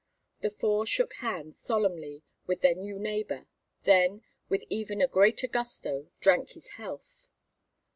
The four shook hands solemnly with their new neighbor, then, with even a greater gusto, drank his health.